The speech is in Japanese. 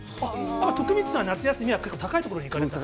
徳光さん、夏休みは結構高い所に行かれたんですか？